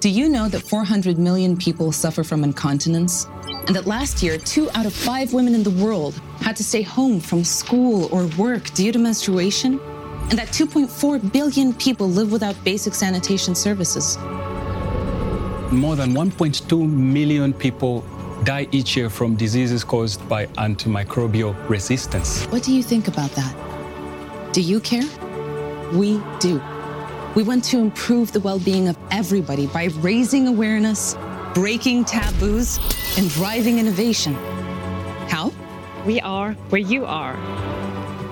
Do you know that 400 million people suffer from incontinence? Last year, two out of five women in the world had to stay home from school or work due to menstruation? 2.4 billion people live without basic sanitation services? More than 1.2 million people die each year from diseases caused by antimicrobial resistance. What do you think about that? Do you care? We do. We want to improve the well-being of everybody by raising awareness, breaking taboos, and driving innovation. How? We are where you are.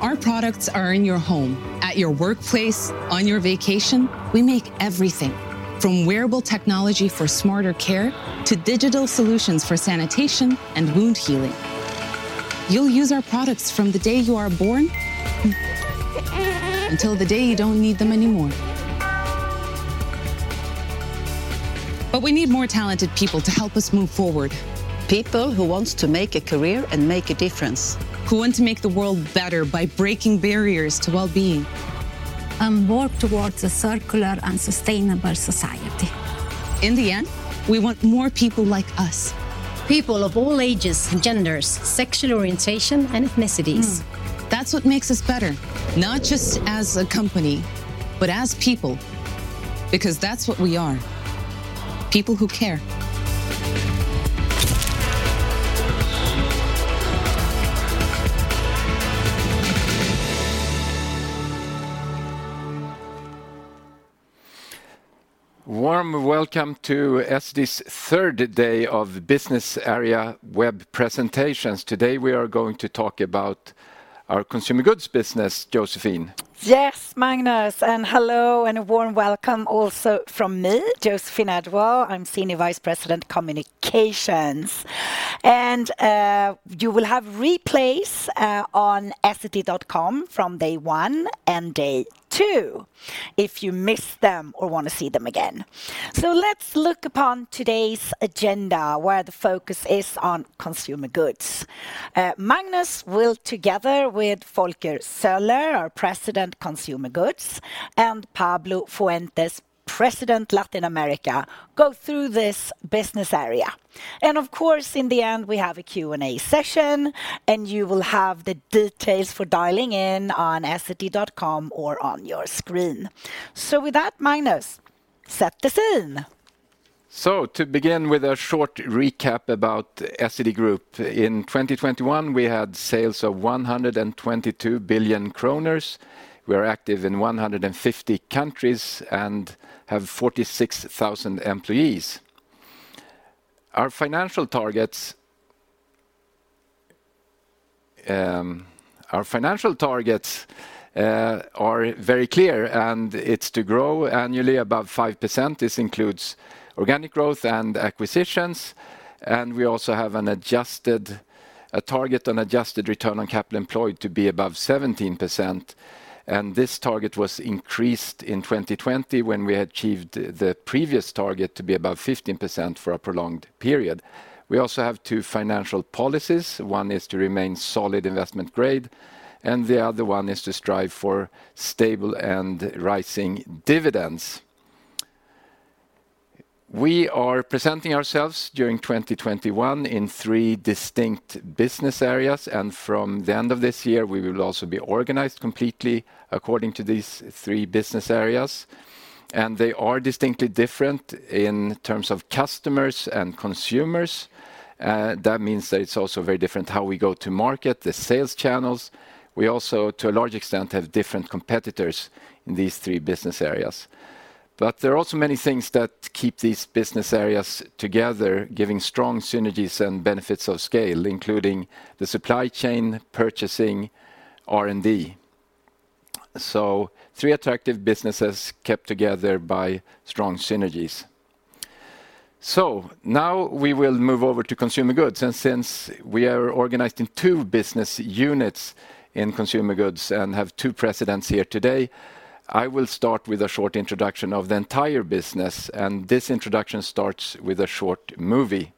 Our products are in your home, at your workplace, on your vacation. We make everything, from wearable technology for smarter care to digital solutions for sanitation and wound healing. You'll use our products from the day you are born until the day you don't need them anymore. We need more talented people to help us move forward. People who wants to make a career and make a difference. Who want to make the world better by breaking barriers to well-being. Work towards a circular and sustainable society. In the end, we want more people like us. People of all ages and genders, sexual orientation, and ethnicities. That's what makes us better, not just as a company, but as people, because that's what we are, people who care. Warm welcome to Essity's third day of business area web presentations. Today, we are going to talk about our consumer goods business, Josefin. Yes, Magnus. Hello, and a warm welcome also from me, Josefin Edwall. I'm Senior Vice President Communications. You will have replays on essity.com from day 1 and day 2 if you missed them or wanna see them again. Let's look upon today's agenda where the focus is on consumer goods. Magnus will, together with Volker Zöller, our President Consumer Goods, and Pablo Fuentes, President Latin America, go through this business area. Of course, in the end, we have a Q&A session. You will have the details for dialing in on essity.com or on your screen. With that, Magnus, set the scene. To begin with a short recap about Essity Group, in 2021, we had sales of 122 billion kronor. We are active in 150 countries and have 46,000 employees. Our financial targets are very clear, it's to grow annually above 5%. This includes organic growth and acquisitions, we also have a target on adjusted return on capital employed to be above 17%, this target was increased in 2020 when we achieved the previous target to be above 15% for a prolonged period. We also have two financial policies. One is to remain solid investment grade, the other one is to strive for stable and rising dividends. We are presenting ourselves during 2021 in 3 distinct business areas, and from the end of this year, we will also be organized completely according to these 3 business areas. They are distinctly different in terms of customers and consumers. That means that it's also very different how we go to market, the sales channels. We also, to a large extent, have different competitors in these 3 business areas. There are also many things that keep these business areas together, giving strong synergies and benefits of scale, including the supply chain, purchasing, R&D. 3 attractive businesses kept together by strong synergies. Now we will move over to Consumer Goods, and since we are organized in two business units in Consumer Goods and have two presidents here today, I will start with a short introduction of the entire business, and this introduction starts with a short movie.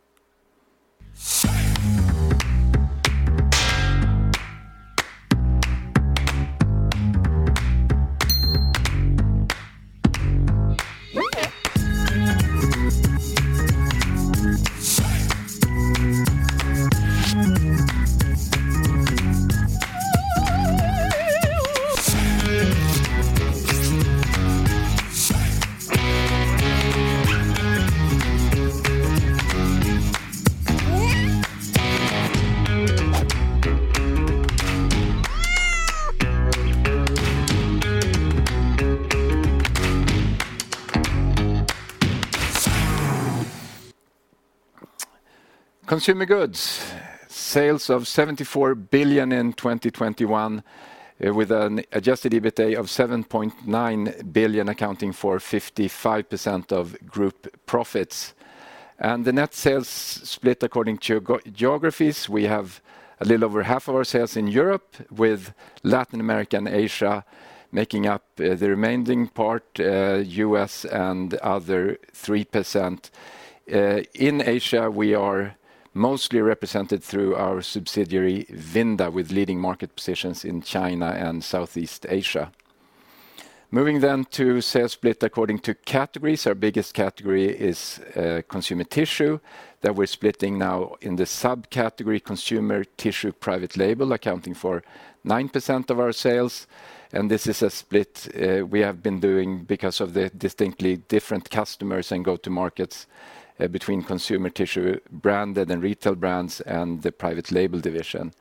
Consumer Goods. Sales of 74 billion in 2021, with an adjusted EBITDA of 7.9 billion, accounting for 55% of group profits. The net sales split according to geo-geographies, we have a little over half of our sales in Europe, with Latin America and Asia making up the remaining part, U.S. and other 3%. In Asia, we are mostly represented through our subsidiary, Vinda, with leading market positions in China and Southeast Asia. Moving to sales split according to categories, our biggest category is Consumer Tissue, that we're splitting now in the sub-category Consumer Tissue private label accounting for 9% of our sales. This is a split we have been doing because of the distinctly different customers and go-to markets between Consumer Tissue branded and retail brands and the private label division.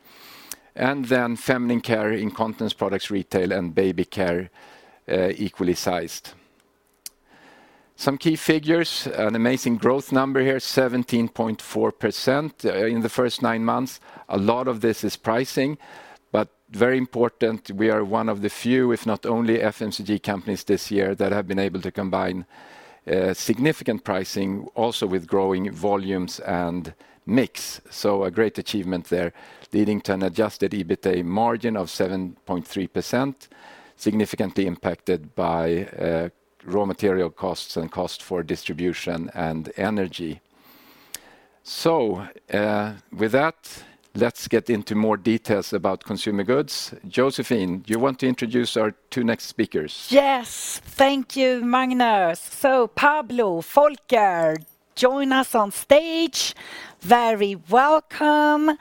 Feminine care, incontinence products retail, and baby care, equally sized. Some key figures, an amazing growth number here, 17.4% in the first 9 months. A lot of this is pricing, but very important we are one of the few, if not only, FMCG companies this year that have been able to combine significant pricing also with growing volumes and mix. A great achievement there leading to an adjusted EBITA margin of 7.3%, significantly impacted by raw material costs and cost for distribution and energy. With that, let's get into more details about consumer goods. Josephine, do you want to introduce our two next speakers? Yes. Thank you, Magnus. Pablo, Volker, join us on stage. Very welcome. Hi,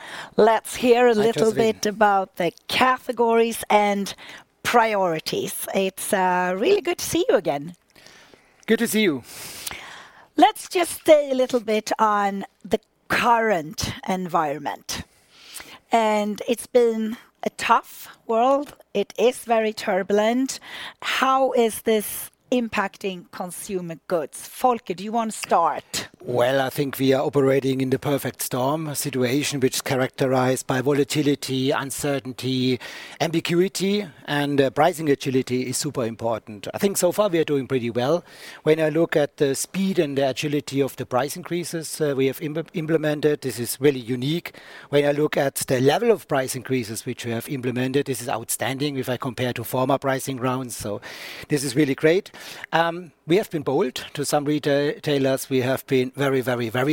Josephine. ...a little bit about the categories and priorities. It's really good to see you again. Good to see you. Let's just stay a little bit on the current environment. It's been a tough world, it is very turbulent. How is this impacting consumer goods? Volker, do you want to start? I think we are operating in the perfect storm, a situation which is characterized by volatility, uncertainty, ambiguity, and pricing agility is super important. I think so far we are doing pretty well. When I look at the speed and the agility of the price increases, we have implemented, this is really unique. When I look at the level of price increases which we have implemented, this is outstanding if I compare to former pricing rounds, so this is really great. We have been bold to some retailers. We have been very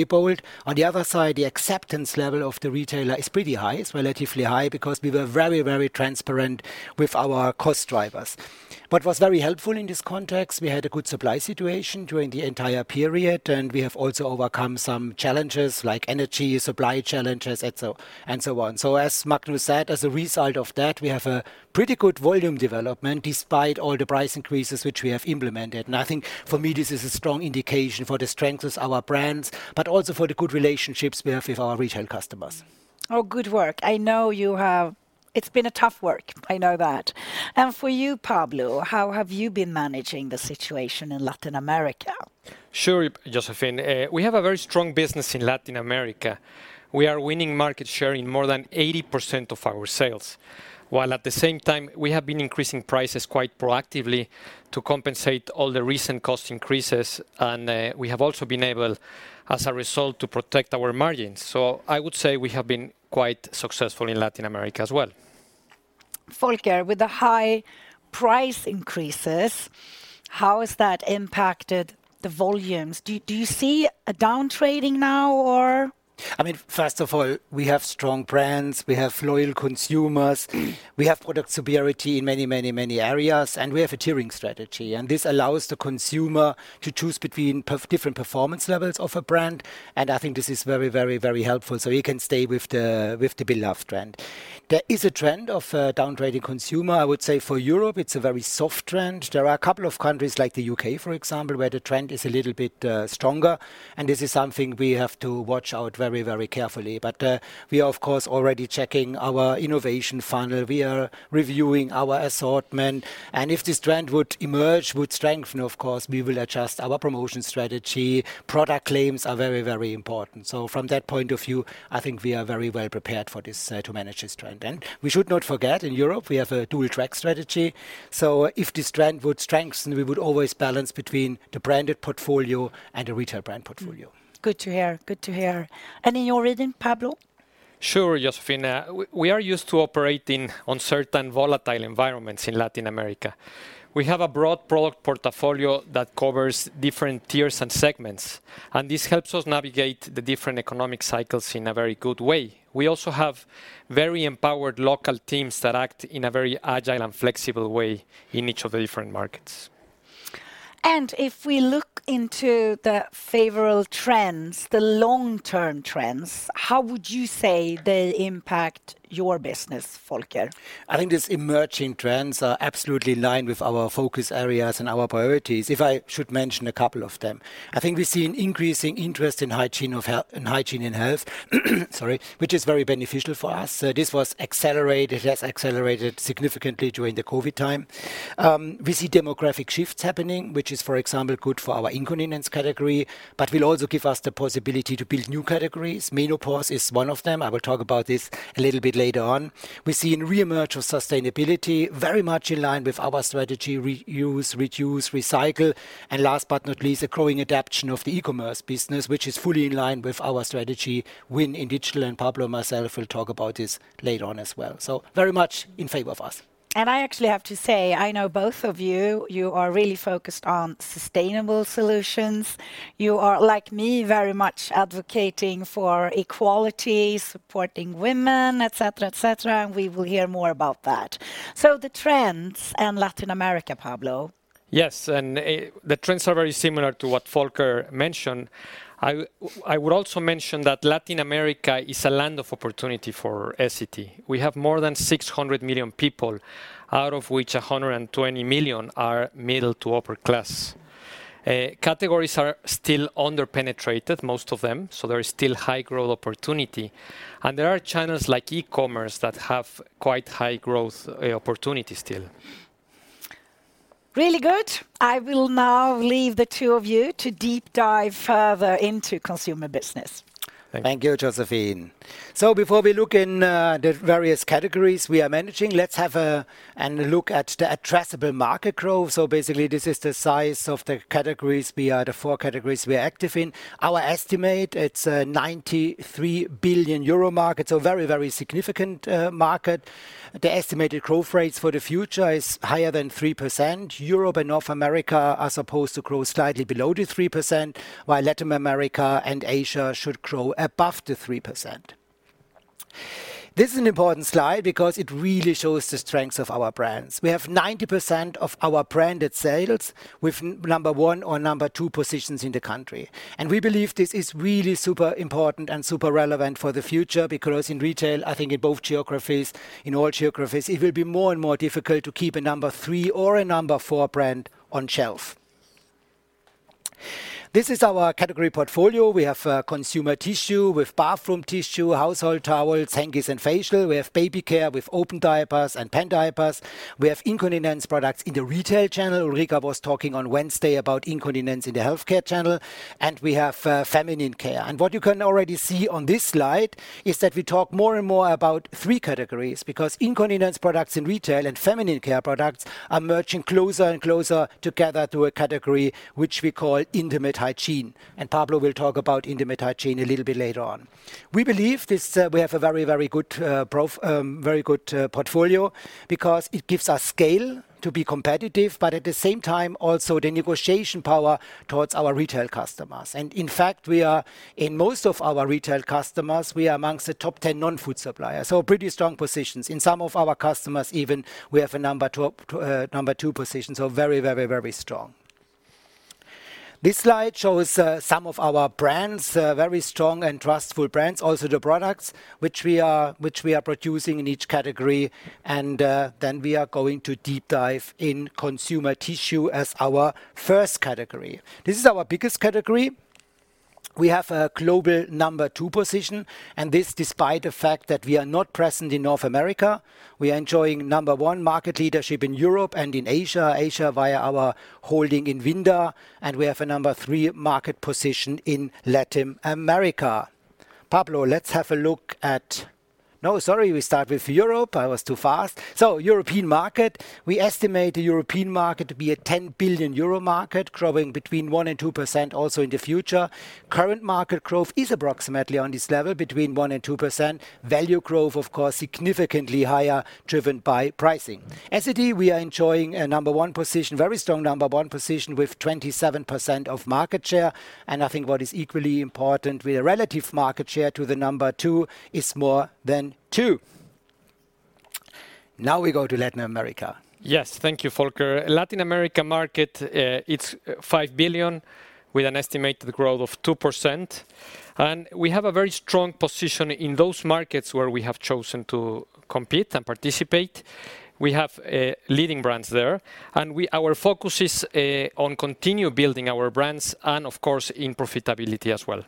bold. On the other side, the acceptance level of the retailer is pretty high. It's relatively high because we were very transparent with our cost drivers. What was very helpful in this context, we had a good supply situation during the entire period, and we have also overcome some challenges like energy supply challenges and so, and so on. As Magnus said, as a result of that, we have a pretty good volume development despite all the price increases which we have implemented, and I think for me this is a strong indication for the strengths of our brands, but also for the good relationships we have with our retail customers. Good work. It's been a tough work, I know that. For you, Pablo, how have you been managing the situation in Latin America? Sure, Josephine. We have a very strong business in Latin America. We are winning market share in more than 80% of our sales, while at the same time we have been increasing prices quite proactively to compensate all the recent cost increases, and we have also been able, as a result, to protect our margins. I would say we have been quite successful in Latin America as well. Volker, with the high price increases, how has that impacted the volumes? Do you see a downtrading now or...? I mean, first of all, we have strong brands, we have loyal consumers, we have product superiority in many, many, many areas, and we have a tiering strategy, and this allows the consumer to choose between different performance levels of a brand, and I think this is very, very, very helpful, so you can stay with the beloved brand. There is a trend of downtrading consumer. I would say for Europe it's a very soft trend. There are a couple of countries like the U.K., for example, where the trend is a little bit stronger, and this is something we have to watch out very, very carefully. We are of course already checking our innovation funnel. We are reviewing our assortment, and if this trend would emerge, would strengthen, of course we will adjust our promotion strategy. Product claims are very, very important. From that point of view, I think we are very well prepared for this to manage this trend. We should not forget, in Europe we have a dual track strategy, if this trend would strengthen, we would always balance between the branded portfolio and the retail brand portfolio. Good to hear. Good to hear. In your region, Pablo? Sure, Josephine. We are used to operating on certain volatile environments in Latin America. We have a broad product portfolio that covers different tiers and segments. This helps us navigate the different economic cycles in a very good way. We also have very empowered local teams that act in a very agile and flexible way in each of the different markets. If we look into the favorable trends, the long-term trends, how would you say they impact your business, Volker? I think these emerging trends are absolutely in line with our focus areas and our priorities, if I should mention a couple of them. I think we see an increasing interest in hygiene and health, sorry, which is very beneficial for us. This has accelerated significantly during the COVID time. We see demographic shifts happening, which is for example good for our incontinence category, but will also give us the possibility to build new categories. Menopause is one of them. I will talk about this a little bit later on. We see a re-emerge of sustainability, very much in line with our strategy, reuse, reduce, recycle. Last but not least, a growing adaption of the e-commerce business, which is fully in line with our strategy win in digital, and Pablo myself will talk about this later on as well. Very much in favor of us. I actually have to say, I know both of you are really focused on sustainable solutions. You are, like me, very much advocating for equality, supporting women, et cetera, et cetera, and we will hear more about that. The trends in Latin America, Pablo? Yes, the trends are very similar to what Volker mentioned. I would also mention that Latin America is a land of opportunity for Essity. We have more than 600 million people, out of which 120 million are middle to upper class. Categories are still under-penetrated, most of them, so there is still high growth opportunity. There are channels like e-commerce that have quite high growth opportunity still. Really good. I will now leave the two of you to deep dive further into consumer business. Thank you. Thank you, Josephine. Before we look in the various categories we are managing, and look at the addressable market growth. Basically this is the size of the four categories we are active in. Our estimate, it's a 93 billion euro market, very, very significant market. The estimated growth rates for the future is higher than 3%. Europe and North America are supposed to grow slightly below the 3%, while Latin America and Asia should grow above the 3%. This is an important slide because it really shows the strengths of our brands. We have 90% of our branded sales with number one or number two positions in the country. We believe this is really super important and super relevant for the future because in retail, I think in both geographies, in all geographies, it will be more and more difficult to keep a number three or a number four brand on shelf. This is our category portfolio. We have consumer tissue with bathroom tissue, household towels, hankies, and facial. We have baby care with open diapers and pant diapers. We have incontinence products in the retail channel. Ulrika was talking on Wednesday about incontinence in the healthcare channel, and we have feminine care. What you can already see on this slide is that we talk more and more about three categories, because incontinence products in retail and feminine care products are merging closer and closer together to a category which we call intimate hygiene, and Pablo will talk about intimate hygiene a little bit later on. We believe this, we have a very good portfolio because it gives us scale to be competitive, but at the same time also the negotiation power towards our retail customers. In fact, we are, in most of our retail customers, we are amongst the top 10 non-food suppliers, so pretty strong positions. In some of our customers even, we have a number two position, so very strong. This slide shows some of our brands, very strong and trustful brands. Also the products which we are producing in each category, and then we are going to deep dive in Consumer Tissue as our first category. This is our biggest category. We have a global number two position, and this despite the fact that we are not present in North America. We are enjoying number one market leadership in Europe and in Asia. Asia via our holding in Vinda, and we have a number three market position in Latin America. Pablo. No, sorry, we start with Europe. I was too fast. European market, we estimate the European market to be a 10 billion euro market, growing between 1% and 2% also in the future. Current market growth is approximately on this level, between 1% and 2%. Value growth, of course, significantly higher, driven by pricing. Essity, we are enjoying a number 1 position, very strong number 1 position with 27% of market share, I think what is equally important with a relative market share to the number 2 is more than 2. Now we go to Latin America. Yes. Thank you, Volker. Latin America market, it's $5 billion with an estimated growth of 2%. We have a very strong position in those markets where we have chosen to compete and participate. We have leading brands there, and our focus is on continue building our brands and of course in profitability as well.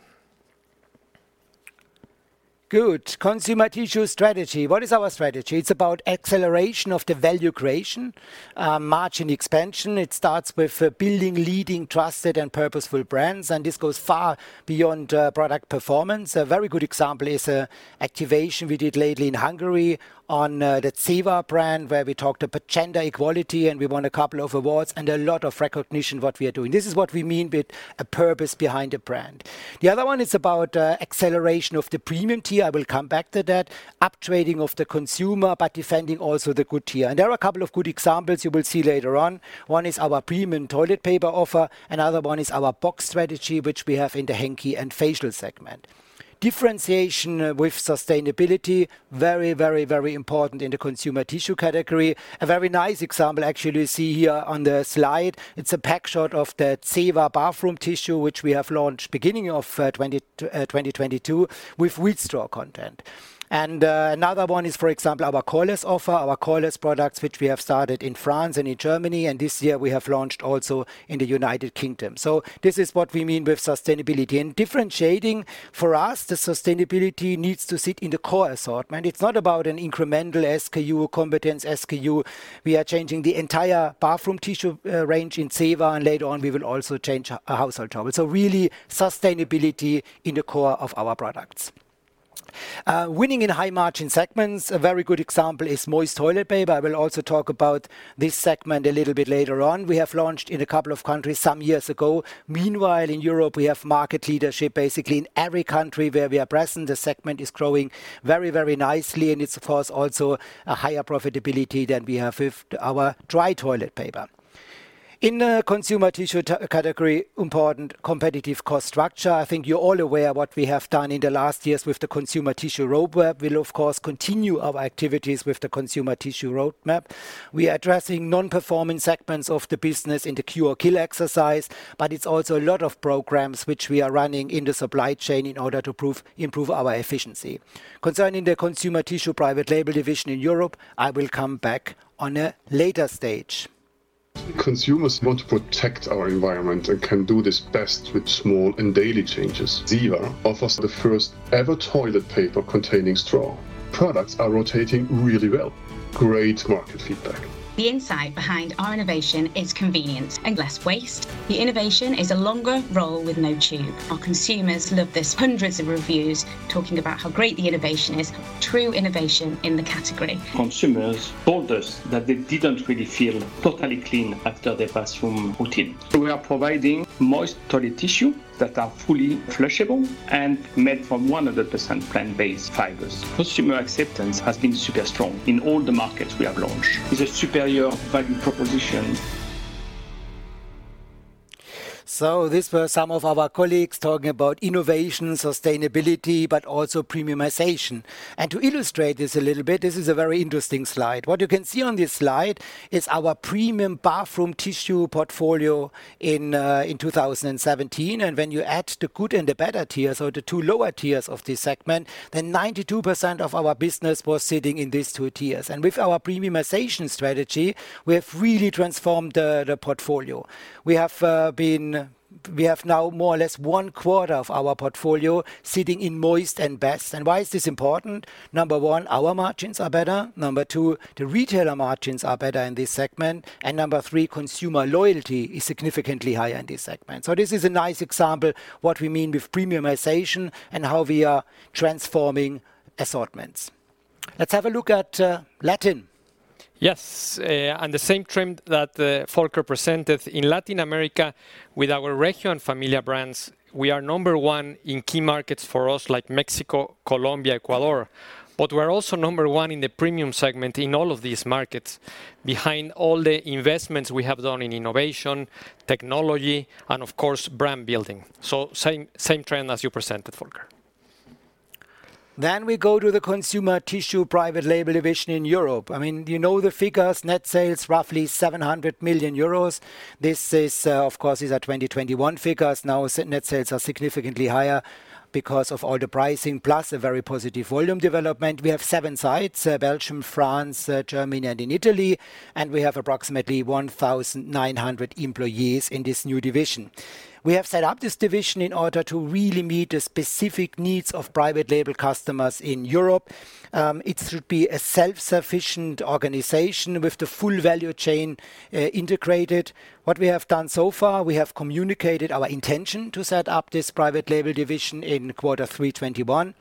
Good. Consumer Tissue strategy. What is our strategy? It's about acceleration of the value creation, margin expansion. It starts with building leading, trusted, and purposeful brands, and this goes far beyond product performance. A very good example is a activation we did lately in Hungary on the Zewa brand, where we talked about gender equality, and we won a couple of awards and a lot of recognition what we are doing. This is what we mean with a purpose behind a brand. The other one is about acceleration of the premium tier. I will come back to that. Up trading of the consumer by defending also the good tier. There are a couple of good examples you will see later on. One is our premium toilet paper offer. Another one is our box strategy, which we have in the hanky and facial segment. Differentiation with sustainability, very, very, very important in the consumer tissue category. A very nice example actually you see here on the slide. It's a pack shot of the Zewa bathroom tissue which we have launched beginning of 2022 with Wheat Straw content. Another one is, for example, our coreless offer, our coreless products, which we have started in France and in Germany, and this year we have launched also in the United Kingdom. This is what we mean with sustainability. Differentiating for us, the sustainability needs to sit in the core assortment. It's not about an incremental SKU, competence SKU. We are changing the entire bathroom tissue range in Zewa, and later on, we will also change our household towel. Really sustainability in the core of our products. Winning in high-margin segments. A very good example is moist toilet paper. I will also talk about this segment a little bit later on. We have launched in a couple of countries some years ago. Meanwhile, in Europe, we have market leadership basically in every country where we are present. The segment is growing very, very nicely, and it's of course also a higher profitability than we have with our dry toilet paper. In the Consumer Tissue category, important competitive cost structure. I think you're all aware what we have done in the last years with the Consumer Tissue Roadmap. We'll of course continue our activities with the Consumer Tissue Roadmap. We are addressing non-performing segments of the business in the Cure or Kill exercise. It's also a lot of programs which we are running in the supply chain in order to improve our efficiency. Concerning the consumer tissue private label division in Europe, I will come back on a later stage. Consumers want to protect our environment and can do this best with small and daily changes. Zewa offers the first ever toilet paper containing straw. Products are rotating really well. Great market feedback. The insight behind our innovation is convenience and less waste. The innovation is a longer roll with no tube. Our consumers love this. Hundreds of reviews talking about how great the innovation is. True innovation in the category. Consumers told us that they didn't really feel totally clean after their bathroom routine. We are providing moist toilet tissue that are fully flushable and made from 100% plant-based fibers. Consumer acceptance has been super strong in all the markets we have launched. It's a superior value proposition. These were some of our colleagues talking about innovation, sustainability, but also premiumization. To illustrate this a little bit, this is a very interesting slide. What you can see on this slide is our premium bathroom tissue portfolio in 2017. When you add the good and the better tiers or the two lower tiers of this segment, then 92% of our business was sitting in these two tiers. With our premiumization strategy, we have really transformed the portfolio. We have now more or less one quarter of our portfolio sitting in moist and best. Why is this important? Number one, our margins are better. Number two, the retailer margins are better in this segment. Number three, consumer loyalty is significantly higher in this segment. This is a nice example what we mean with premiumization and how we are transforming assortments. Let's have a look at, Latin. Yes. The same trend that Volker presented in Latin America with our Regio and Familia brands, we are number 1 in key markets for us like Mexico, Colombia, Ecuador, but we're also number 1 in the premium segment in all of these markets behind all the investments we have done in innovation, technology and of course brand building. Same trend as you presented, Volker. We go to the consumer tissue private label division in Europe. I mean the figures, net sales roughly 700 million euros. This is, of course, these are 2021 figures. Net sales are significantly higher because of all the pricing plus a very positive volume development. We have seven sites, Belgium, France, Germany, and in Italy, and we have approximately 1,900 employees in this new division. We have set up this division in order to really meet the specific needs of private label customers in Europe. It should be a self-sufficient organization with the full value chain integrated. What we have done so far, we have communicated our intention to set up this private label division in quarter three 2021.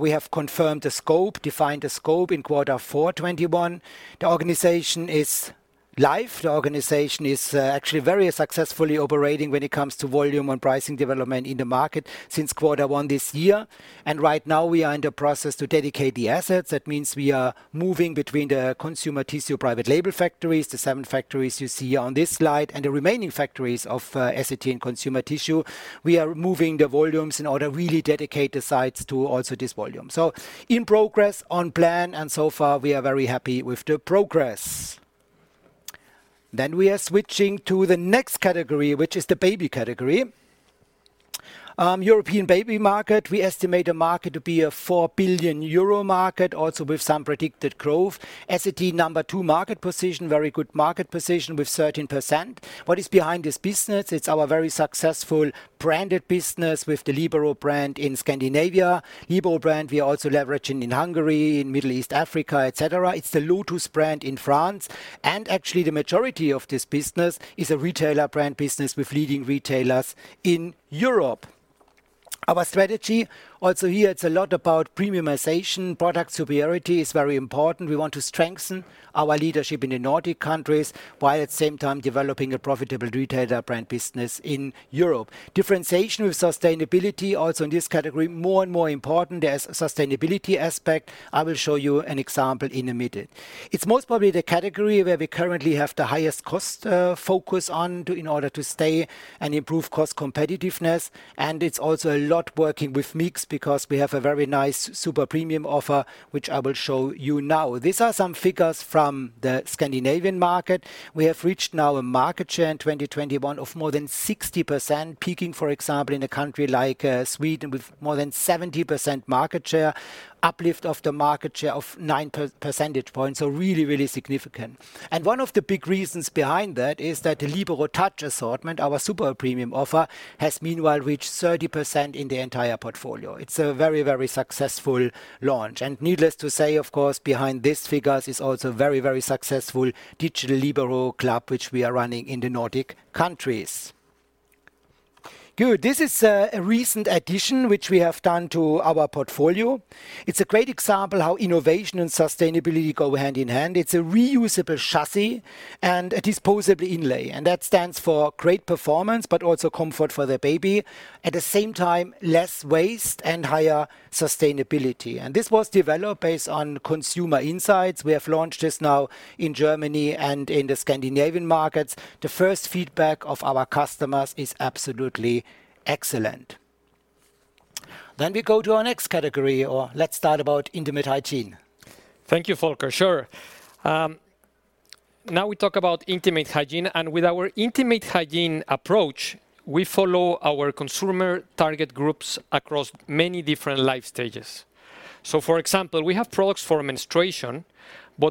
We have confirmed the scope, defined the scope in quarter four 2021. The organization is live. The organization is actually very successfully operating when it comes to volume and pricing development in the market since quarter one this year. Right now we are in the process to dedicate the assets. That means we are moving between the consumer tissue private label factories, the seven factories you see on this slide, and the remaining factories of SCT and consumer tissue. We are moving the volumes in order really dedicate the sites to also this volume. In progress, on plan, and so far we are very happy with the progress. We are switching to the next category, which is the baby category. European baby market, we estimate the market to be a 4 billion euro market also with some predicted growth. SCT number two market position, very good market position with 13%. What is behind this business? It's our very successful branded business with the Libero brand in Scandinavia, Libero brand we are also leveraging in Hungary, in Middle East, Africa, et cetera. Actually the majority of this business is a retailer brand business with leading retailers in Europe. Our strategy also here, it's a lot about premiumization. Product superiority is very important. We want to strengthen our leadership in the Nordic countries while at the same time developing a profitable retailer brand business in Europe. Differentiation with sustainability also in this category, more and more important as sustainability aspect. I will show you an example in a minute. It's most probably the category where we currently have the highest cost focus on to. In order to stay and improve cost competitiveness, it's also a lot working with mix because we have a very nice super premium offer, which I will show you now. These are some figures from the Scandinavian market. We have reached now a market share in 2021 of more than 60%, peaking, for example, in a country like Sweden with more than 70% market share, uplift of the market share of 9 percentage points. Really significant. One of the big reasons behind that is that the Libero Touch assortment, our super premium offer, has meanwhile reached 30% in the entire portfolio. It's a very successful launch. Needless to say, of course, behind these figures is also a very successful digital Libero Club, which we are running in the Nordic countries. Good. This is a recent addition which we have done to our portfolio. It's a great example how innovation and sustainability go hand in hand. It's a reusable chassis and a disposable inlay, and that stands for great performance but also comfort for the baby, at the same time, less waste and higher sustainability. This was developed based on consumer insights. We have launched this now in Germany and in the Scandinavian markets. The first feedback of our customers is absolutely excellent. We go to our next category, or let's start about intimate hygiene. Thank you, Volker. Sure. Now we talk about intimate hygiene, with our intimate hygiene approach, we follow our consumer target groups across many different life stages. For example, we have products for menstruation,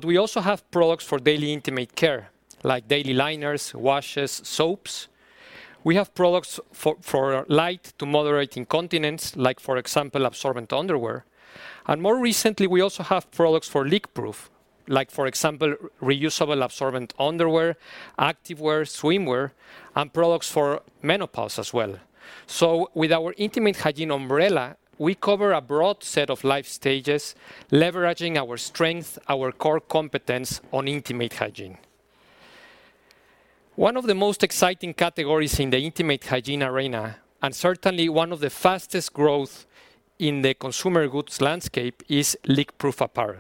we also have products for daily intimate care, like daily liners, washes, soaps. We have products for light to moderate incontinence, like for example, absorbent underwear. More recently, we also have products for leak-proof, like for example, reusable absorbent underwear, activewear, swimwear, and products for menopause as well. With our intimate hygiene umbrella, we cover a broad set of life stages, leveraging our strength, our core competence on intimate hygiene. One of the most exciting categories in the intimate hygiene arena, certainly one of the fastest growth in the consumer goods landscape, is leak-proof apparel.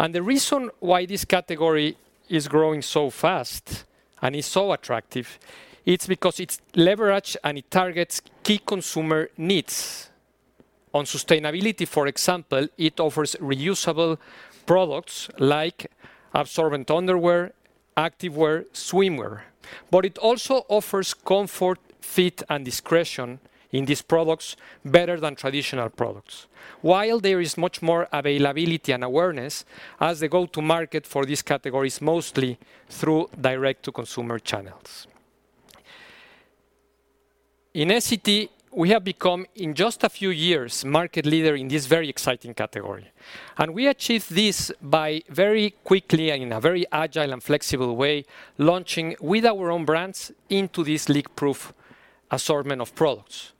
The reason why this category is growing so fast and is so attractive, it's because it's leverage, and it targets key consumer needs. On sustainability, for example, it offers reusable products like absorbent underwear, activewear, swimwear. It also offers comfort, fit, and discretion in these products better than traditional products. There is much more availability and awareness as they go to market for these categories, mostly through direct-to-consumer channels. In Essity, we have become, in just a few years, market leader in this very exciting category. We achieved this by very quickly and in a very agile and flexible way, launching with our own brands into this leak-proof assortment of products.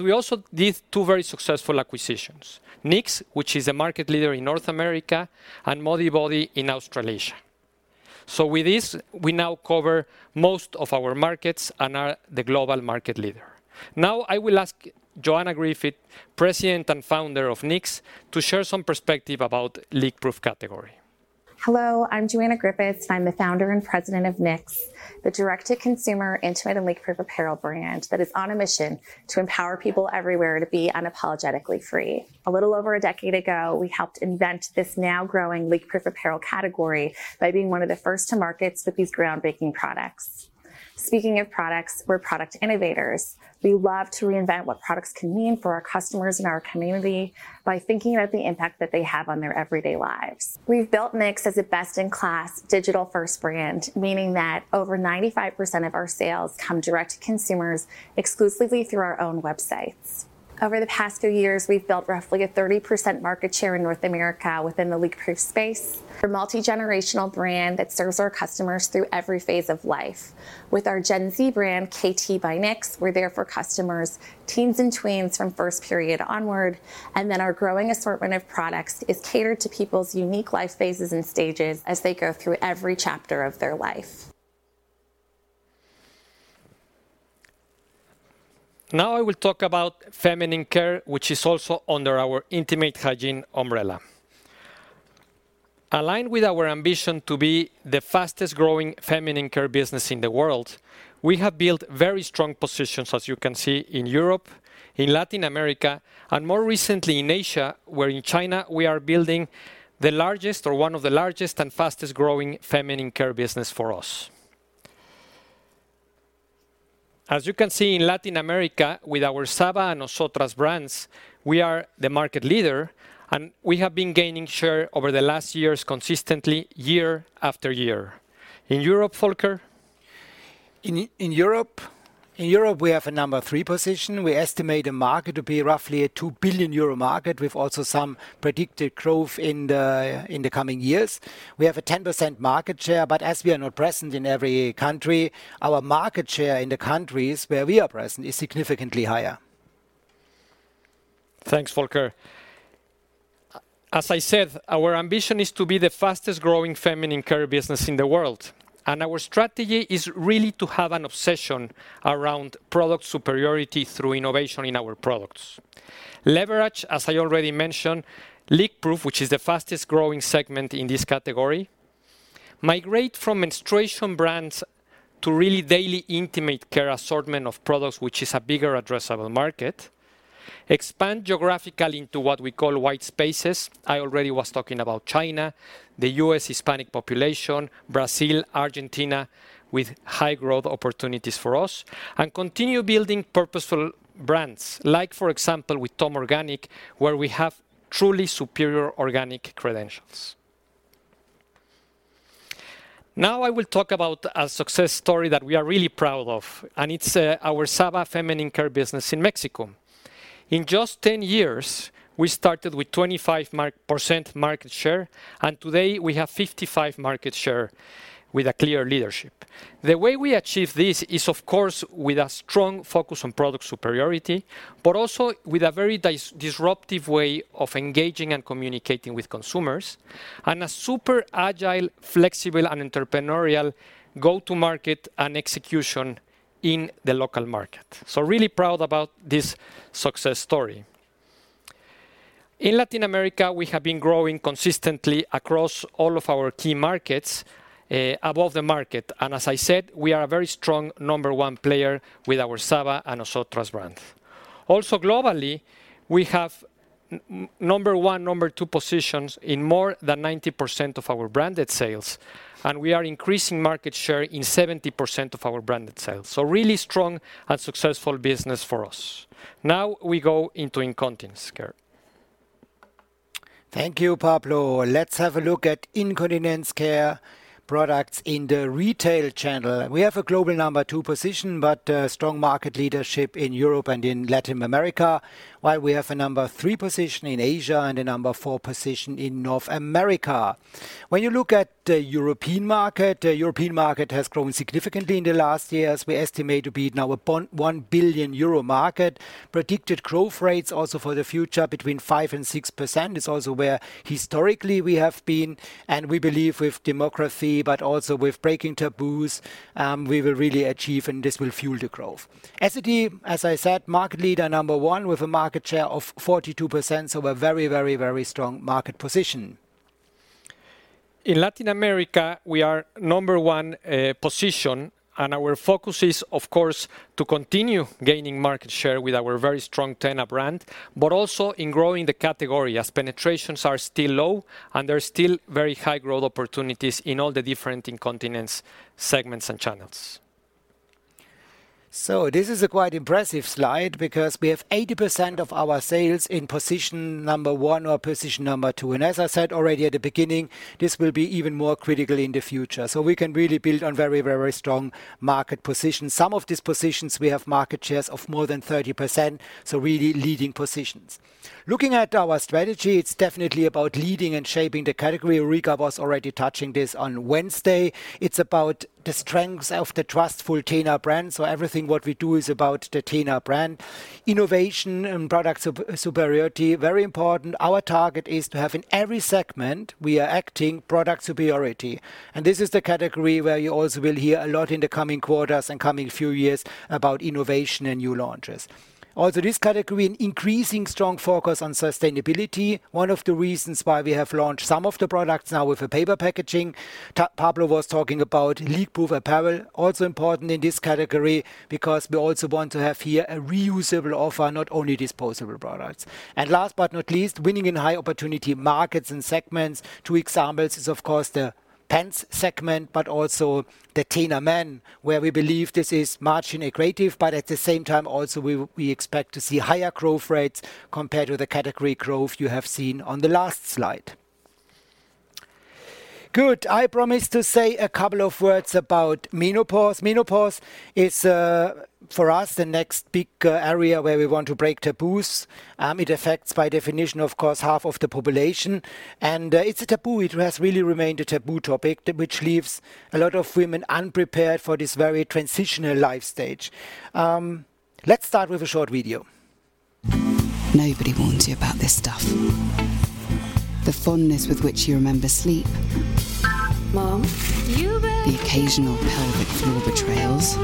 We also did two very successful acquisitions, Knix, which is a market leader in North America, and Modibodi in Australasia. With this, we now cover most of our markets and are the global market leader. I will ask Joanna Griffiths, President and Founder of Knix, to share some perspective about leak-proof category. Hello, I'm Joanna Griffiths. I'm the Founder and President of Knix, the direct-to-consumer intimate and leak-proof apparel brand that is on a mission to empower people everywhere to be unapologetically free. A little over a decade ago, we helped invent this now growing leak-proof apparel category by being one of the first to market with these groundbreaking products. Speaking of products, we're product innovators. We love to reinvent what products can mean for our customers and our community by thinking about the impact that they have on their everyday lives. We've built Knix as a best-in-class digital-first brand, meaning that over 95% of our sales come direct to consumers exclusively through our own websites. Over the past few years, we've built roughly a 30% market share in North America within the leak-proof space. We're a multi-generational brand that serves our customers through every phase of life. With our Gen Z brand, KT by Knix, we're there for customers, teens and tweens from first period onward, and then our growing assortment of products is catered to people's unique life phases and stages as they go through every chapter of their life. I will talk about feminine care, which is also under our intimate hygiene umbrella. Aligned with our ambition to be the fastest-growing feminine care business in the world, we have built very strong positions, as you can see in Europe, in Latin America, and more recently in Asia, where in China we are building the largest or one of the largest and fastest-growing feminine care business for us. As you can see in Latin America with our Saba and Nosotras brands, we are the market leader, and we have been gaining share over the last years consistently year after year. In Europe, Volker? In Europe, we have a number three position. We estimate the market to be roughly a 2 billion euro market with also some predicted growth in the coming years. We have a 10% market share. As we are not present in every country, our market share in the countries where we are present is significantly higher. Thanks, Volker. As I said, our ambition is to be the fastest-growing feminine care business in the world, and our strategy is really to have an obsession around product superiority through innovation in our products. Leverage, as I already mentioned, leakproof, which is the fastest-growing segment in this category. Migrate from menstruation brands to really daily intimate care assortment of products, which is a bigger addressable market. Expand geographically into what we call white spaces. I already was talking about China, the U.S. Hispanic population, Brazil, Argentina, with high growth opportunities for us. Continue building purposeful brands like for example with Tom Organic, where we have truly superior organic credentials. I will talk about a success story that we are really proud of, and it's our Saba feminine care business in Mexico. In just 10 years, we started with 25% market share, and today we have 55% market share with a clear leadership. The way we achieve this is of course, with a strong focus on product superiority, but also with a very disruptive way of engaging and communicating with consumers and a super agile, flexible, and entrepreneurial go-to-market and execution in the local market. Really proud about this success story. In Latin America, we have been growing consistently across all of our key markets above the market. As I said, we are a very strong number one player with our Saba and Nosotras brand. Also globally, we have number one, number two positions in more than 90% of our branded sales, and we are increasing market share in 70% of our branded sales. Really strong and successful business for us. Now we go into incontinence care. Thank you, Pablo. Let's have a look at incontinence care products in the retail channel. We have a global number two position, but strong market leadership in Europe and in Latin America, while we have a number three position in Asia and a number four position in North America. When you look at the European market, the European market has grown significantly in the last years. We estimate to be now a 1 billion euro market. Predicted growth rates also for the future between 5% and 6%. It's also where historically we have been, and we believe with demography, but also with breaking taboos, we will really achieve, and this will fuel the growth. As a team, as I said, market leader number one with a market share of 42%, so a very strong market position. In Latin America, we are number 1 position, and our focus is, of course, to continue gaining market share with our very strong TENA brand, but also in growing the category as penetrations are still low and there are still very high growth opportunities in all the different incontinence segments and channels. This is a quite impressive slide because we have 80% of our sales in position number 1 or position number 2. As I said already at the beginning, this will be even more critical in the future. We can really build on very strong market position. Some of these positions we have market shares of more than 30%, so really leading positions. Looking at our strategy, it's definitely about leading and shaping the category. Rica was already touching this on Wednesday. It's about the strengths of the trustful TENA brand. Everything what we do is about the TENA brand. Innovation and product superiority, very important. Our target is to have in every segment we are acting product superiority. This is the category where you also will hear a lot in the coming quarters and coming few years about innovation and new launches. This category, an increasing strong focus on sustainability, one of the reasons why we have launched some of the products now with a paper packaging. Pablo was talking about leak-proof apparel, also important in this category because we also want to have here a reusable offer, not only disposable products. Last but not least, winning in high opportunity markets and segments. Two examples is of course the pants segment, but also the TENA Men, where we believe this is margin accretive, but at the same time also we expect to see higher growth rates compared to the category growth you have seen on the last slide. Good. I promised to say a couple of words about menopause. Menopause is for us the next big area where we want to break taboos. It affects by definition, of course, half of the population. It's a taboo. It has really remained a taboo topic which leaves a lot of women unprepared for this very transitional life stage. Let's start with a short video. Nobody warns you about this stuff. The fondness with which you remember sleep. Mom? The occasional pelvic floor betrayals.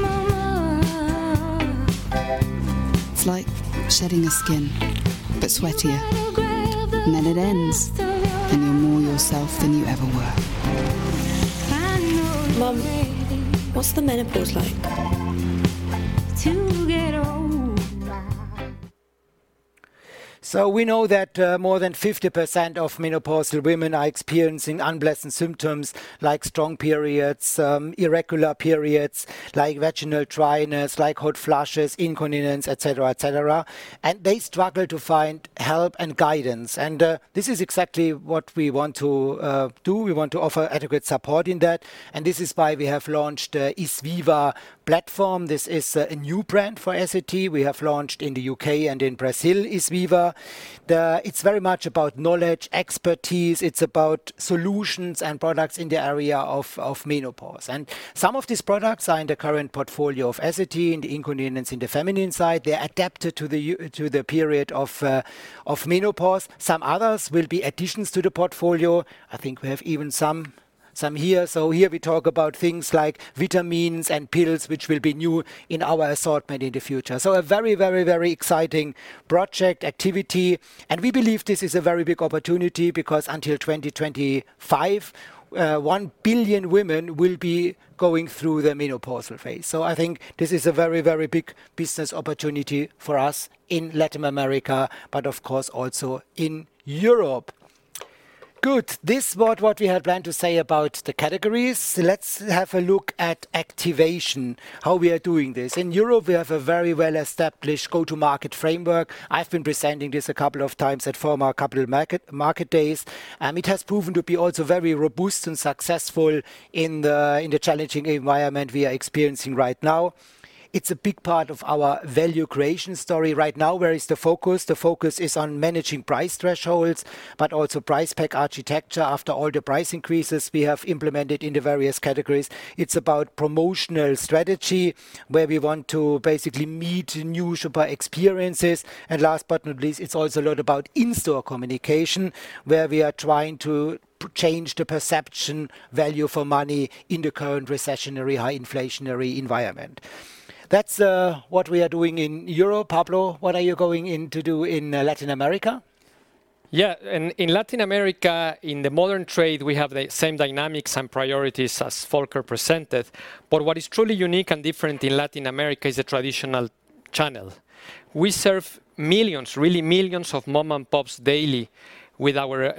It's like shedding your skin, but sweatier. Then it ends, and you're more yourself than you ever were. Mom, what's the menopause like? To get older. We know that more than 50% of menopausal women are experiencing unpleasant symptoms like strong periods, irregular periods, like vaginal dryness, like hot flushes, incontinence, et cetera, et cetera. They struggle to find help and guidance. This is exactly what we want to do. We want to offer adequate support in that. This is why we have launched Issviva platform. This is a new brand for Essity. We have launched in the U.K. and in Brazil, Issviva. It's very much about knowledge, expertise. It's about solutions and products in the area of menopause. Some of these products are in the current portfolio of Essity, in the incontinence, in the feminine side. They're adapted to the period of menopause. Some others will be additions to the portfolio. I think we have even some here. Here we talk about things like vitamins and pills, which will be new in our assortment in the future. A very, very, very exciting project activity. We believe this is a very big opportunity because until 2025, 1 billion women will be going through the menopausal phase. I think this is a very, very big business opportunity for us in Latin America, but of course also in Europe. Good. This was what we had planned to say about the categories. Let's have a look at activation, how we are doing this. In Europe, we have a very well-established go-to-market framework. I've been presenting this a couple of times at pharma couple market days. It has proven to be also very robust and successful in the challenging environment we are experiencing right now. It's a big part of our value creation story. Right now, where is the focus? The focus is on managing price thresholds, but also price pack architecture after all the price increases we have implemented in the various categories. It's about promotional strategy, where we want to basically meet new shopper experiences. Last but not least, it's also a lot about in-store communication, where we are trying to change the perception value for money in the current recessionary, high inflationary environment. That's what we are doing in Europe. Pablo, what are you going in to do in Latin America? Yeah, in Latin America, in the modern trade, we have the same dynamics and priorities as Volker presented, but what is truly unique and different in Latin America is the traditional channel. We serve millions, really millions of mom-and-pops daily with our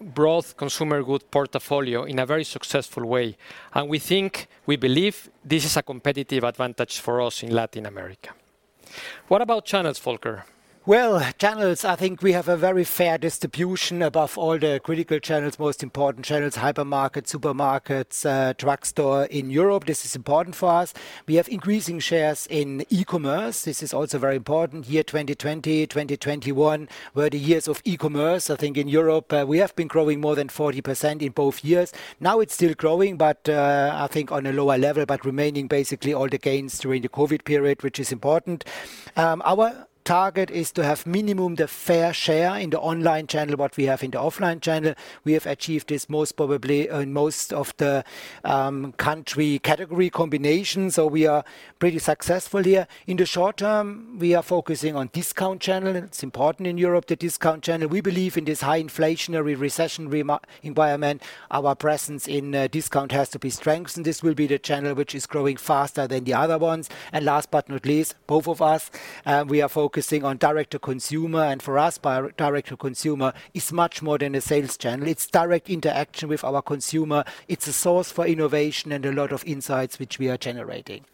broad consumer good portfolio in a very successful way, and we think, we believe this is a competitive advantage for us in Latin America. What about channels, Volker? Well, channels, I think we have a very fair distribution above all the critical channels, most important channels, hypermarket, supermarkets, drugstore in Europe. This is important for us. We have increasing shares in e-commerce. This is also very important. Year 2020, 2021 were the years of e-commerce. I think in Europe, we have been growing more than 40% in both years. It's still growing, but, I think on a lower level, but remaining basically all the gains during the COVID period, which is important. Our target is to have minimum the fair share in the online channel what we have in the offline channel. We have achieved this most probably in most of the country category combinations, so we are pretty successful here. In the short term, we are focusing on discount channel. It's important in Europe, the discount channel. We believe in this high inflationary recession environment, our presence in discount has to be strengthened. This will be the channel which is growing faster than the other ones. Last but not least, both of us, we are focusing on direct to consumer, and for us, direct to consumer is much more than a sales channel. It's direct interaction with our consumer. It's a source for innovation and a lot of insights which we are generating.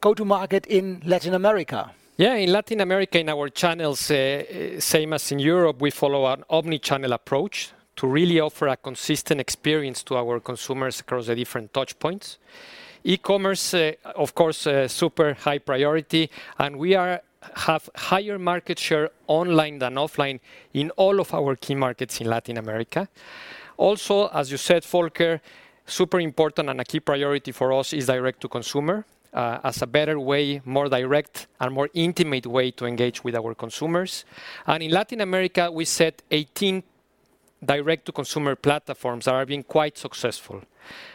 Go-to-market in Latin America. Yeah, in Latin America, in our channels, same as in Europe, we follow an omni-channel approach to really offer a consistent experience to our consumers across the different touchpoints. E-commerce, of course, super high priority, and we have higher market share online than offline in all of our key markets in Latin America. Also, as you said, Volker, super important and a key priority for us is Direct to Consumer as a better way, more direct and more intimate way to engage with our consumers. And in Latin America, we set 18 Direct-to-Consumer platforms that have been quite successful.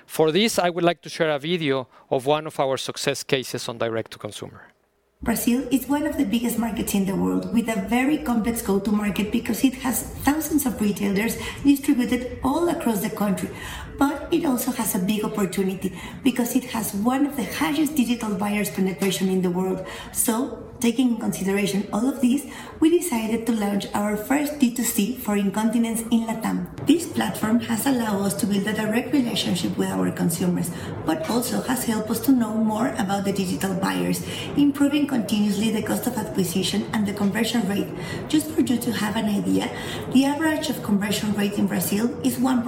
For this, I would like to share a video of one of our success cases on Direct to Consumer. Brazil is one of the biggest markets in the world with a very complex go-to-market because it has thousands of retailers distributed all across the country. It also has a big opportunity because it has one of the highest digital buyers penetration in the world. Taking in consideration all of this, we decided to launch our first D2C for incontinence in LatAm. This platform has allowed us to build a direct relationship with our consumers, but also has helped us to know more about the digital buyers, improving continuously the cost of acquisition and the conversion rate. Just for you to have an idea, the average of conversion rate in Brazil is 1%,